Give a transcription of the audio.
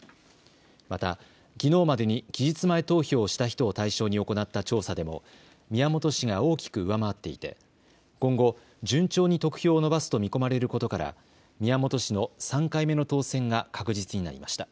またきのうまでに期日前投票をした人を対象に行った調査でも宮本氏が大きく上回っていて今後、順調に得票を伸ばすと見込まれることから宮本氏の３回目の当選が確実になりました。